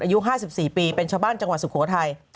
อายุ๕๔ปีเป็นชาวบ้านจังหวัดสุโขทัย